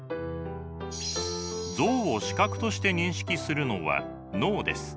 像を視覚として認識するのは脳です。